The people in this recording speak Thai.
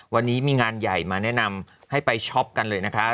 วันนี้มีงานใหญ่มาแนะนำให้ไปช็อปกันเลยนะคะ